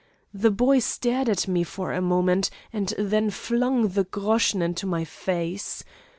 The boy stared at me for a moment, and then flung the groschen into my face.